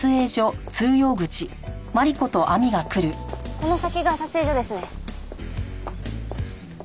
この先が撮影所ですね。